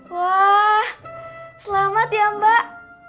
wah selamat ya mbak